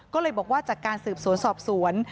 ก็เลยบอกว่าจากการสืบสวนสอบสวน